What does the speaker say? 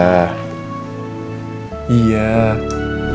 aku yakin dan percaya